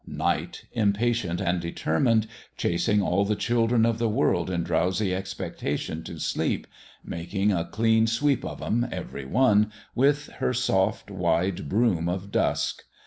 Night, impatient and determined, chasing all the children of the world in drowsy expectation to sleep making a clean sweep of 'em, every one, with her soft, wide broom of dusk.